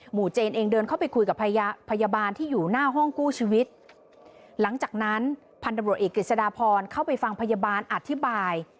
เจนเองเดินเข้าไปคุยกับพยาบาลที่อยู่หน้าห้องกู้ชีวิตหลังจากนั้นพันธบรวจเอกกฤษฎาพรเข้าไปฟังพยาบาลอธิบาย